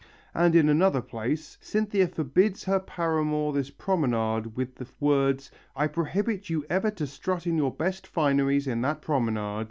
And in another place Cynthia forbids her paramour this promenade with the words: "I prohibit you ever to strut in your best fineries in that promenade."